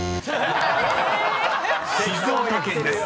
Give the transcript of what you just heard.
［静岡県です。